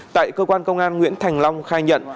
tại cơ quan công an nguyễn thành long khai nhận